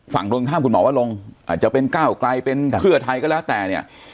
ฝั่งตรงข้ามคุณหมอวะลงอาจจะเป็นก้าวไกลเป็นเพื่อไทยก็แล้วแต่เนี่ย